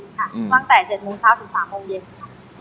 ตั้งแต่๗โมงเช้าถึง๓โมงเย็นค่ะ